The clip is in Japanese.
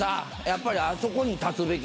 やっぱりあそこに立つべき。